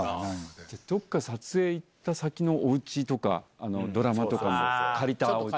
どっか撮影行った先のお家とかドラマとかの借りたお家。